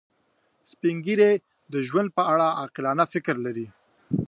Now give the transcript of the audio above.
سپین ږیری د ژوند په اړه عاقلانه فکر لري